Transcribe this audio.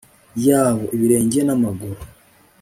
yabo, ibirenge na maguru